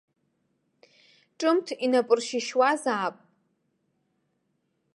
Ҿымҭ инапыршьышьуазаап.